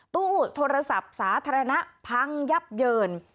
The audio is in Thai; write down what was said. ตู้โทรศัพท์สาธารณะพังยับเยิน